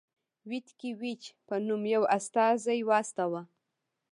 ویتکي ویچ په نوم یو استازی واستاوه.